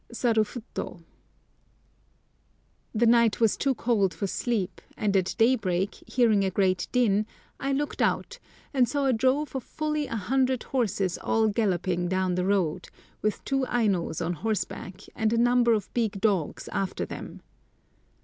SARUFUTO. The night was too cold for sleep, and at daybreak, hearing a great din, I looked out, and saw a drove of fully a hundred horses all galloping down the road, with two Ainos on horseback, and a number of big dogs after them.